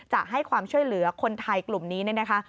จะให้ความช่วยเหลือคนไทยกลุ่มนี้เนี่ยนะคะ